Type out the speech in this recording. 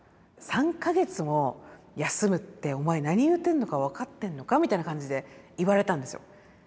３か月も休むってお前何言うてんのか分かってんのかみたいな感じで言われたんですよ。